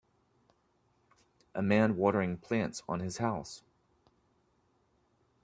A man watering plants on his house.